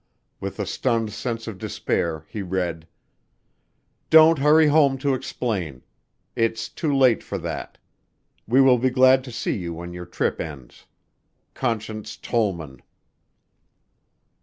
With a stunned sense of despair he read: "Don't hurry home to explain. It's too late for that. We will be glad to see you when your trip ends. "CONSCIENCE TOLLMAN."